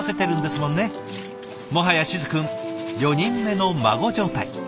もはや静くん４人目の孫状態。